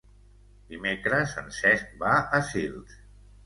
Dimecres en Cesc va a Sils.